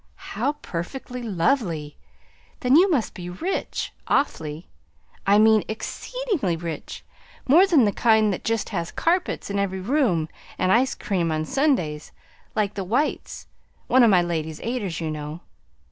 "How perfectly lovely! Then you must be rich awfully I mean EXCEEDINGLY rich, more than the kind that just has carpets in every room and ice cream Sundays, like the Whites one of my Ladies' Aiders, you know.